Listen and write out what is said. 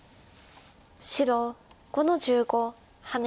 白５の十五ハネ。